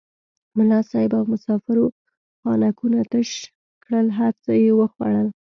ملا صاحب او مسافرو خانکونه تش کړل هر څه یې وخوړل.